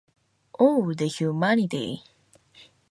Oh, the humanity!